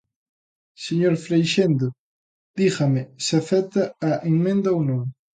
Señor Freixendo, dígame se acepta a emenda ou non.